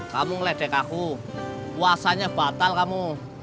kamu meledek aku puasanya batal kamu